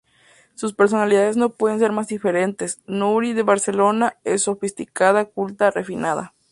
Sus personalidades no pueden ser más diferentes: "Nuri", de Barcelona, es sofisticada, culta, refinada.